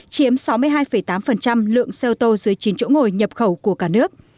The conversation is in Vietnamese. chiếm sáu mươi hai tám lượng xe ô tô dưới chín chỗ ngồi nhập khẩu của cả nước